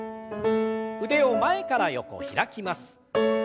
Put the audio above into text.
腕を前から横開きます。